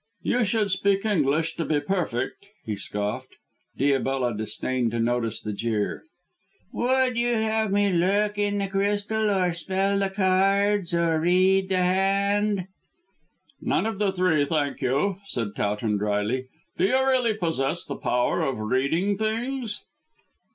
"You should speak Egyptian to be perfect," he scoffed. Diabella disdained to notice the jeer. "Would you have me look in the crystal, or spell the cards, or read the hand." "None of the three, thank you," said Towton drily. "Do you really possess the power of reading things?"